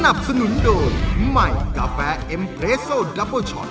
สนุนโดยใหม่กาแฟเอ็มเรสโซนดับเบอร์ช็อต